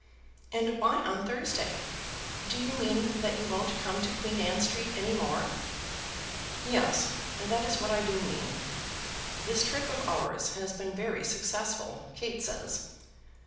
"And why on Thursday? Do you mean that you won't come to Queen Anne Street any more?" "Yes, that is what I do mean. This trip of ours has been very successful, Kate says.